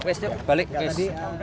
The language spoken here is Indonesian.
pes yuk balik pes